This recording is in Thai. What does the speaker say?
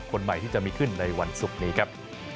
คนใหม่ที่จะมีขึ้นในวันศุกร์นี้ครับ